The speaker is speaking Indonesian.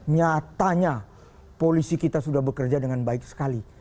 nyatanya polisi kita sudah bekerja dengan baik sekali